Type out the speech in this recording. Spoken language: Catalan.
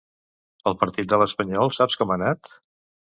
El partit de l'Espanyol saps com ha anat?